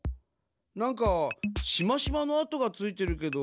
なんかしましまの跡がついてるけど。